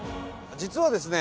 実はですね